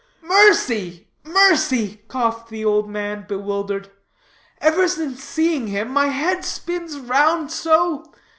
"Mercy, mercy!" coughed the old man, bewildered, "ever since seeing him, my head spins round so.